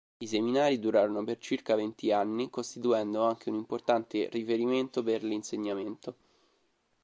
I Seminari durarono per circa venti anni costituendo anche un importante riferimento per l'insegnamento.